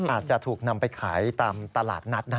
อาจจะถูกนำไปขายตามตลาดนัด